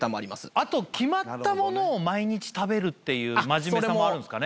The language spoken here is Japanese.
あと決まったものを毎日食べるっていう真面目さもあるんですかね？